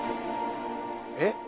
えっ？